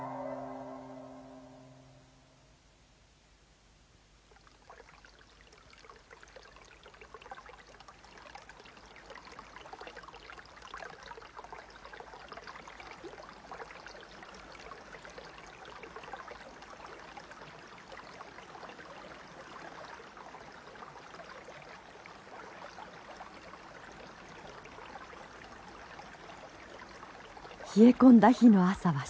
冷え込んだ日の朝は霜です。